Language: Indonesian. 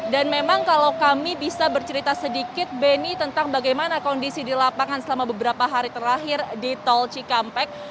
dan memang kalau kami bisa bercerita sedikit beni tentang bagaimana kondisi di lapangan selama beberapa hari terakhir di tol cikampek